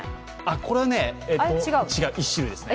これはね、１種類ですね。